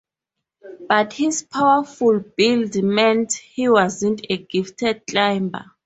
But his powerful build meant he wasn't a gifted climber.